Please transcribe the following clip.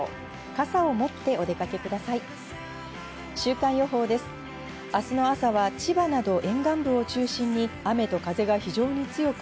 傘を持ってお出かけく